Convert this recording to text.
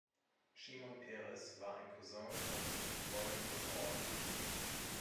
Schimon Peres war ein Cousin von Lauren Bacall.